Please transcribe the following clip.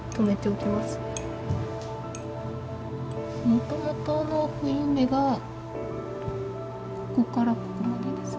もともとの冬目がここからここまでです。